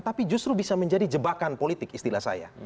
tapi justru bisa menjadi jebakan politik istilah saya